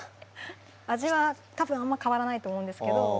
味は多分あんま変わらないと思うんですけど。